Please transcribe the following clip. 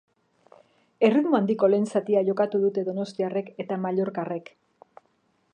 Erritmo handiko lehen zatia jokatu dute donostiarrek eta mallorcarrek.